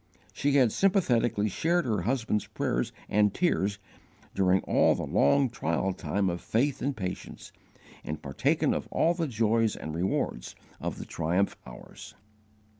She had sympathetically shared her husband's prayers and tears during all the long trial time of faith and patience, and partaken of all the joys and rewards of the triumph hours.